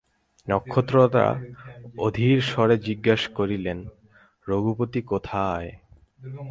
নক্ষত্ররায় অধীর স্বরে জিজ্ঞাসা করিলেন, রঘুপতি কোথায়?